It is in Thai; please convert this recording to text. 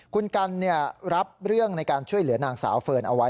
คุณกันรับเรื่องในการช่วยเหลือนางสาวเฟิร์นเอาไว้